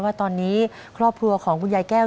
ว่าตอนนี้ครอบครัวของคุณยายแก้ว